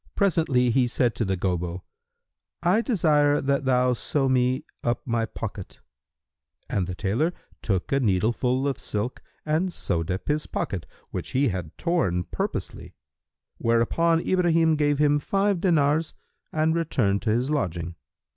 Presently he said to the Gobbo, "I desire that thou sew me up my pocket;" and the tailor took a needleful of silk and sewed up his pocket which he had torn purposely; whereupon Ibrahim gave him five dinars and returned to his lodging.